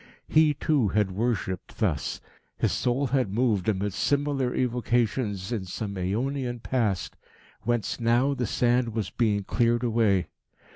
He, too, had worshipped thus. His soul had moved amid similar evocations in some aeonian past, whence now the sand was being cleared away.